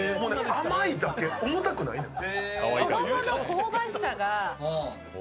甘いだけ、重たくないねん。